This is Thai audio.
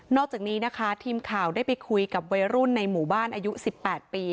อกจากนี้นะคะทีมข่าวได้ไปคุยกับวัยรุ่นในหมู่บ้านอายุ๑๘ปี